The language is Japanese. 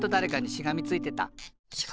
しがみついてた？